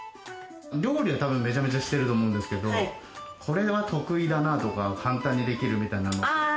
料理はたぶん、めちゃめちゃしてると思うんですけれども、これは得意だなとか、簡単にできるみたいなのって？